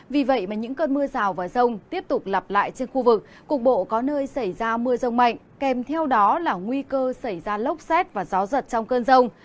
vì vậy mà những cơn mưa rào và rông tiếp tục lặp lại trên khu vực cục bộ có nơi xảy ra mưa rông mạnh kèm theo đó là nguy cơ xảy ra lốc xét và gió giật trong cơn rông